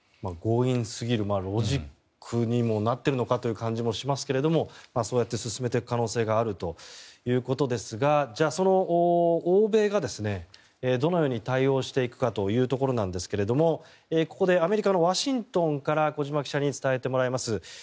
強引すぎるロジックにもなっているのかという感じもしますがそうやって進めていく可能性があるということですがじゃあその欧米がどのように対応していくかというところですがここでアメリカのワシントンから小島記者に伝えてもらいます。